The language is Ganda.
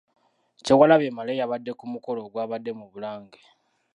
Kyewalabye Male yabadde ku mukolo ogwabadde mu Bulange.